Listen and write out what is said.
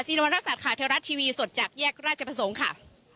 ซีรวรรณรักษัตริย์ค่ะเทราะต์ทีวีสดจากแยกราชประสงค์ค่ะ